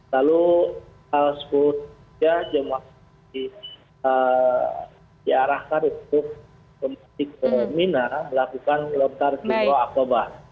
lalu jemaat diarahkan untuk keminah melakukan melontar ke eropa